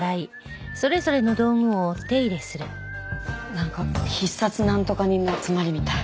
なんか必殺なんとか人の集まりみたい。